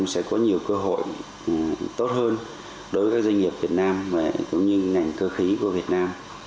sẽ có nhiều cơ hội tốt hơn đối với các doanh nghiệp việt nam cũng như ngành cơ khí của việt nam